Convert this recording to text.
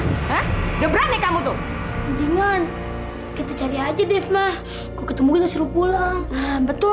nggak berani kamu tuh mendingan gitu cari aja deh mah ketemu kita suruh pulang betul